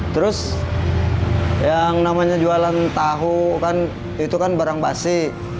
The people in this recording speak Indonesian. terus yang namanya jualan tahu kan itu kan barang basi